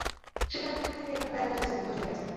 সে তার স্কুল থেকে এখানে বেড়াতে এসে নিখোঁজ হয়ে গেছে।